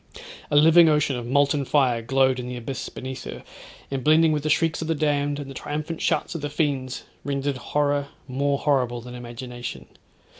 A living ocean of molten fire glowed in the abyss beneath her, and blending with the shrieks of the damned, and the triumphant shouts of the fiends, rendered horror more horrible than imagination.